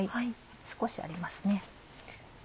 少しありますね。